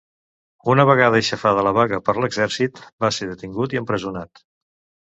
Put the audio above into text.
Una vegada aixafada la vaga per l'Exèrcit, va ser detingut i empresonat.